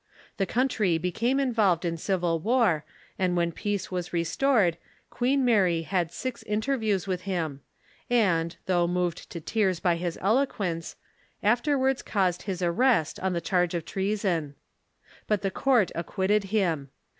The country became involved in civil war, and when peace Avas restored Queen Mary had six interviews with him, and, though moved to tears by his elo quence, afterwards caused his arrest on the charge of treason. But the court acquitted him.